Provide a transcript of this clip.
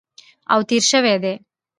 او تېر شوي دي